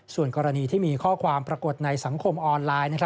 ส่วนกรณีที่มีข้อความปรากฏในสังคมออนไลน์